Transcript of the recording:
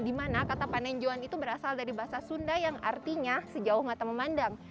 dimana kata panenjoan itu berasal dari bahasa sunda yang artinya sejauh mata memandang